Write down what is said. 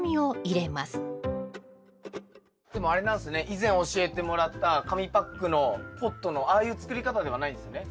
以前教えてもらった紙パックのポットのああいう作り方ではないんですね。